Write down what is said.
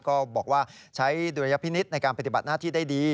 ก็บอกว่าใช้ดุลยพินิษฐ์ในการปฏิบัติหน้าที่ได้ดี